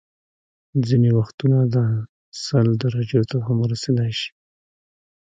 ځینې وختونه دا سل درجو ته هم رسيدلی شي